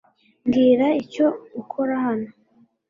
Mbwira icyo ukora hano .